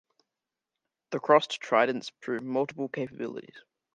The crossed tridents prove multiple capabilities.